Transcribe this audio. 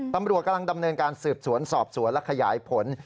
ตำรวจกำลังดำเนินการสืบสวนสอบสวนและขยายผล